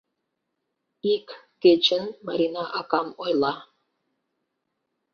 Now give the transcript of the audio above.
Ик кечын Марина акам ойла.